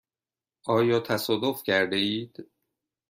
آیا تصادف کرده اید؟